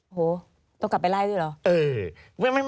โหต้องกลับไปไล่ด้วยเหรอ